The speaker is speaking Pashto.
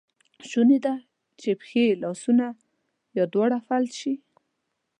شونی ده چې پښې، لاسونه یا دواړه فلج شي.